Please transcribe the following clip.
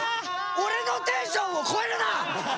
俺のテンションを超えるな！